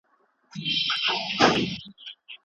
که تالنده وي نو غږ نه پټیږي.